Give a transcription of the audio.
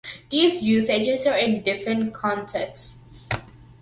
These usages are in different contexts.